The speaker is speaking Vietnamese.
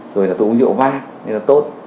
rồi là tôi uống rượu vang nên là tốt